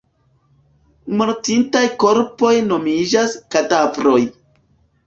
Mortintaj korpoj nomiĝas kadavroj.